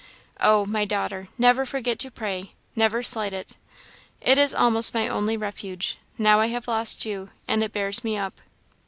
Oh! my daughter, never forget to pray; never slight it. It is almost my only refuge, now I have lost you, and it bears me up.